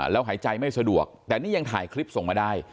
แล้วหายใจไม่สะดวกแต่นี่ยังถ่ายคลิปส่งมาได้